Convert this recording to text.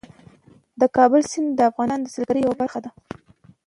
د کابل سیند د افغانستان د سیلګرۍ یوه برخه ده.